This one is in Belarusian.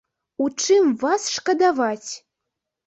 У чым вас шкадаваць?